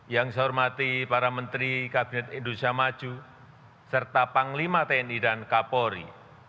yang saya hormati para menteri kabinet indonesia maju serta panglima tni dan kapolri